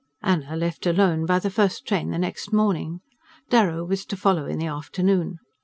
Anna left alone by the first train the next morning. Darrow was to follow in the afternoon.